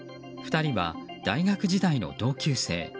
２人は大学時代の同級生。